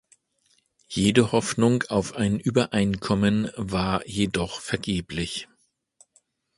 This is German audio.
Jede Hoffnung auf ein Übereinkommen war jedoch vergeblich.